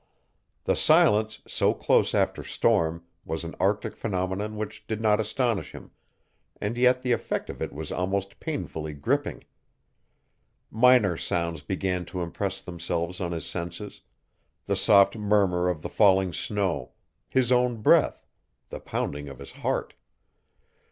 The silence, so close after storm, was an Arctic phenomenon which did not astonish him, and yet the effect of it was almost painfully gripping. Minor sounds began to impress themselves on his senses the soft murmur of the falling snow, his own breath, the pounding of his heart.